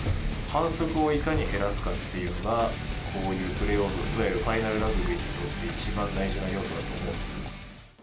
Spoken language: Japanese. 反則をいかに減らすかっていうのが、こういうプレーオフ、ファイナルラグビーにとって一番大事な要素だと思うんですけど。